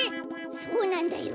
そうなんだよ。